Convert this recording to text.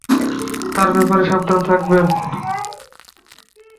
তার ব্যাপারে সাবধান থাকবেন।